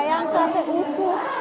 yang sate usus